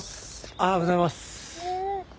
おはようございます。